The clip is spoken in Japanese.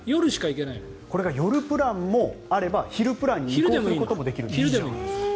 これが夜プランもあれば昼プランに移行することもできる。